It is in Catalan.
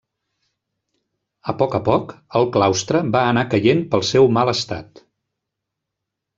A poc a poc, el claustre va anar caient pel seu mal estat.